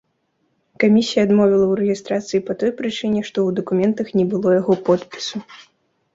Камісія адмовіла ў рэгістрацыі па той прычыне, што ў дакументах не было яго подпісу.